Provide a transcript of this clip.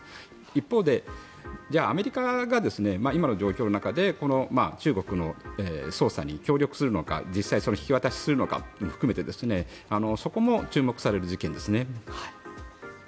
一方で、じゃあアメリカが今の状況の中で中国の捜査に協力するのか実際に引き渡しをするのかも含めてそこも注目される事件ですね。